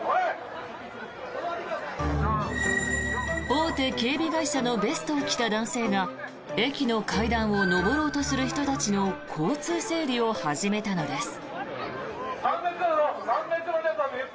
大手警備会社のベストを着た男性が駅の階段を上ろうとする人たちの交通整理を始めたのです。